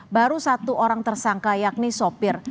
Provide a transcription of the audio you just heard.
baru satu orang tersangka yakni sopir